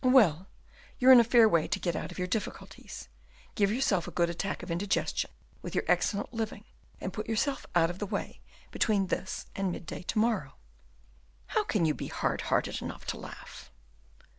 "Well, you're in a fair way to get out of your difficulties; give yourself a good attack of indigestion with your excellent living, and put yourself out of the way between this and midday to morrow." "How can you be hard hearted enough to laugh?"